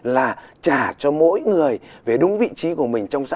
là trả cho mỗi người về đúng vị trí của mình trong xã hội